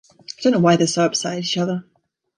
I don't know why they're so upset at each other.